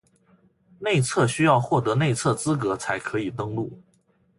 内测需要获得内测资格才可以登录